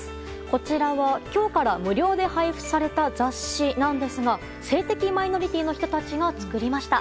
こちらは今日から無料で配布された雑誌なんですが性的マイノリティーの人たちが作りました。